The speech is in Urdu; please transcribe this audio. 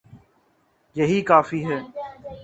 یہی کافی ہے۔